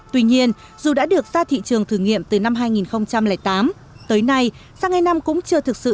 tuy nhiên dù đã được ra thị trường thử nghiệm từ năm hai nghìn tám tới nay xăng ai nằm cũng chưa thực sự